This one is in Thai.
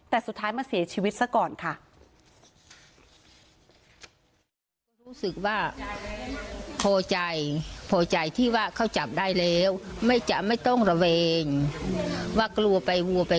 แต่สุดท้ายมาเสียชีวิตซะก่อนค่ะ